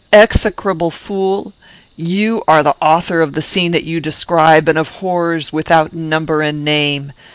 Execrable fool! you are the author of the scene that you describe, and of horrors without number and name.